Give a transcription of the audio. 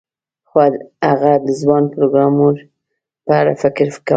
خو هغه د ځوان پروګرامر په اړه فکر کاوه